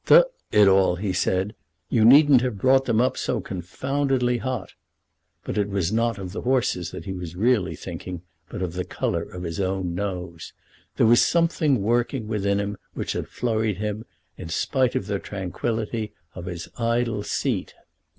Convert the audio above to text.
"D it all," he said, "you needn't have brought them up so confoundedly hot." But it was not of the horses that he was really thinking, but of the colour of his own nose. There was something working within him which had flurried him, in spite of the tranquillity of his idle seat.